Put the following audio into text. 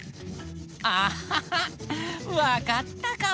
アハハッわかったかも！